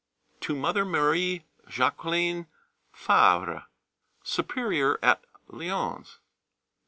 _To Mother Marie Jacqueline Favre, Superior at Lyons.